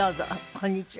こんにちは。